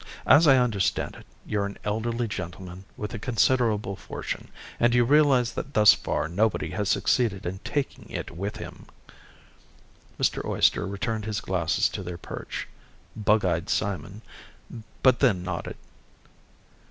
As I understand it, you're an elderly gentleman with a considerable fortune and you realize that thus far nobody has succeeded in taking it with him." Mr. Oyster returned his glasses to their perch, bug eyed Simon, but then nodded.